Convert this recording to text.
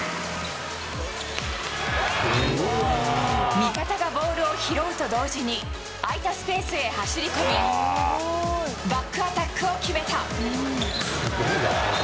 味方がボールを拾うと同時に、空いたスペースへ走り込み、バックアタックを決めた。